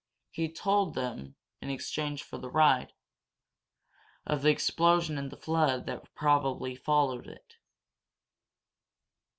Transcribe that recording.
He told them, in exchange for the ride, of the explosion and the flood that had probably followed it.